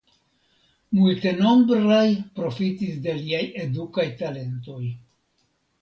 Multenombraj profitis de liaj edukaj talentoj.